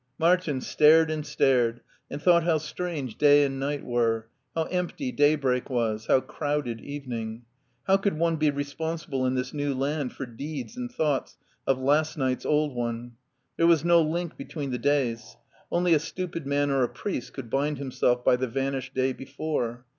Martin stared and stared, and thought how strange day and night were, how empty day break was, how crowded evening. How could one be responsible in this new land for deeds and thoughts of last night's old one. There was no link between the days. Only a stupid man or a priest could bind himself by the van ished day before.